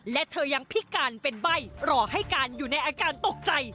และเธอยังพิการเป็นใบ้รอให้การอยู่ในอาการตกใจ